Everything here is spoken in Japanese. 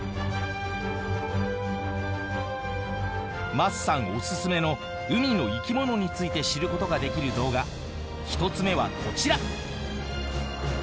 桝さんオススメの海の生き物について知ることができる動画１つ目はこちら！